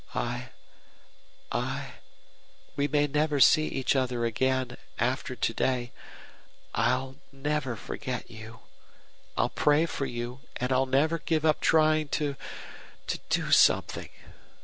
I I we may never see each other again after to day. I'll never forget you. I'll pray for you, and I'll never give up trying to to do something.